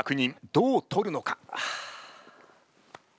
どう取るのか？